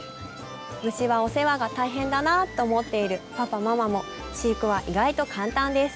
虫はお世話が大変だなぁと思っているパパママも飼育は意外と簡単です。